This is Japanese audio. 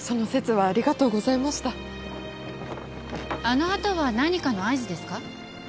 あの旗は何かの合図ですか？